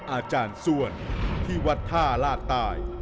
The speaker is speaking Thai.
อาจารย์ส้วนที่วัดท่าลาดตาย